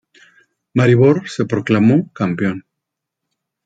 Maribor se proclamó campeón.